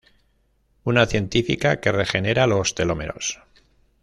Una científica que regenera los telómeros.